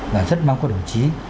và rất mong các đồng chí